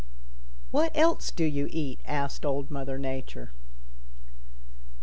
"What else do you eat?" asked Old Mother Nature.